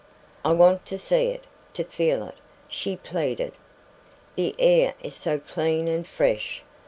"I want to see it to feel it!" she pleaded. "The air is so clean and fresh!